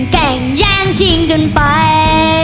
แก่งแหย่มชิงจนไป